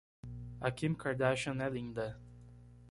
A Kim Kardashian é linda.